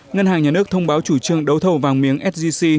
ngân hàng nhà nước thông báo chủ trương đấu thầu vàng miếng sgc